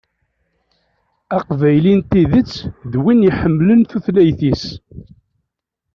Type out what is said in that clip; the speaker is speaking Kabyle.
Aqbayli n tidet d win iḥemmlen tutlayt-is.